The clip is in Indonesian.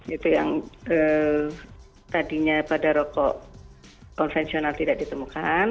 itu yang tadinya pada rokok konvensional tidak ditemukan